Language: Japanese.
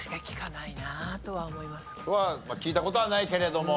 聞いた事はないけれども。